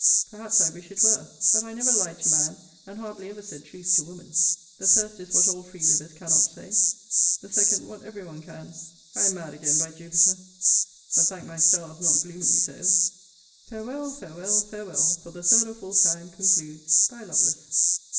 Perhaps I wish it were: but I never lied to man, and hardly ever said truth to woman. The first is what all free livers cannot say: the second what every one can. I am mad again, by Jupiter! But, thank my stars, not gloomily so! Farewell, farewell, farewell, for the third or fourth time, concludes Thy LOVELACE.